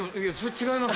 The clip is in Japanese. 違います。